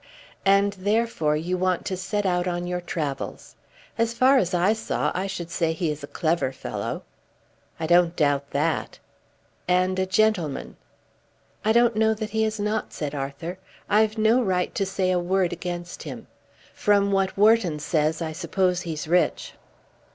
"And therefore you want to set out on your travels. As far as I saw I should say he is a clever fellow." "I don't doubt that." "And a gentleman." "I don't know that he is not," said Arthur. "I've no right to say a word against him. From what Wharton says I suppose he's rich."